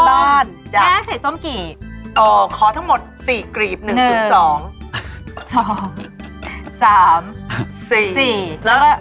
แม่ใส่ซ่อมกี่อ๋อขอทั้งหมด๔กรีบ๑๒๓๔